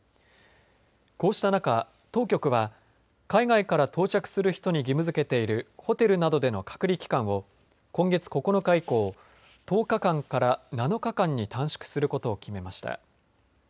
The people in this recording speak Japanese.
こうした中、当局は海外から到着する人に義務づけているホテルなどでの隔離期間を今月９日以降１０日間から７日間に短縮することを決めました。